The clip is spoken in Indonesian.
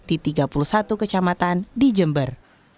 di tiga puluh satu kecamatan di jember